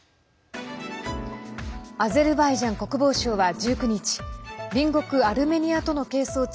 アゼルバイジャン国防省は１９日隣国アルメニアとの係争地